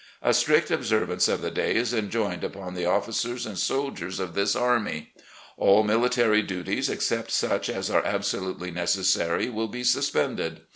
A strict observance of the day is enjoined upon the officers and soldiers of this army. All military duties, except such as are absolutely necessary, will be suspended.